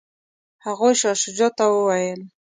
هغوی شاه شجاع ته وویل.